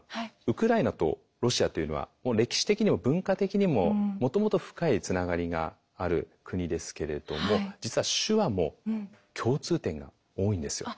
ウクライナとロシアというのは歴史的にも文化的にももともと深いつながりがある国ですけれども実は手話も共通点が多いんですよ。